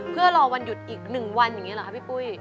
เพื่อรอวันหยุดอีก๑วันอย่างนี้หรอคะพี่ปุ้ย